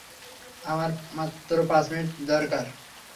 আমার মাত্র পাঁচ মিনিট দরকার।